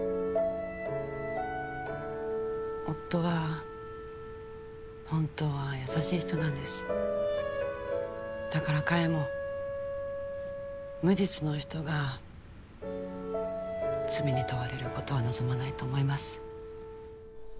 夫は本当は優しい人なんですだから彼も無実の人が罪に問われることを望まないと思います